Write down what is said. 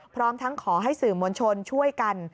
พร้อมทั้งขอให้สื่อมวลชนช่วยกัน